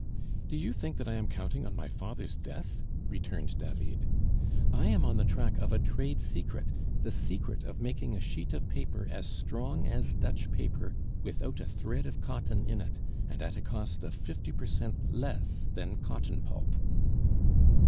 "Do you think that I am counting on my father's death?" returned David. "I am on the track of a trade secret, the secret of making a sheet of paper as strong as Dutch paper, without a thread of cotton in it, and at a cost of fifty per cent less than cotton pulp."